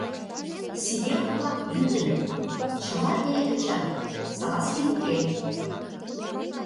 Сиделке-влак лӱдыныт, чыла вере кычалыт — Салазкин уке.